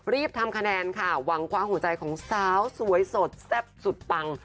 ทำคะแนนค่ะหวังคว้าหัวใจของสาวสวยสดแซ่บสุดปัง